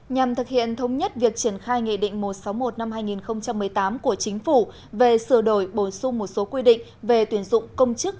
nhằm thực hiện thống nhất việc triển khai nghị định một trăm sáu mươi một năm hai nghìn một mươi tám của chính phủ về sửa đổi bổ sung một số quy định về tuyển dụng công chức